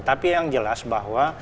tapi yang jelas bahwa